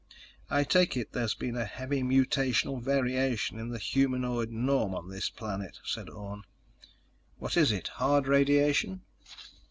"I take it there's been a heavy mutational variation in the humanoid norm on this planet," said Orne. "What is it? Hard radiation?"